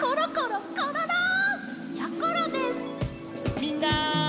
みんな！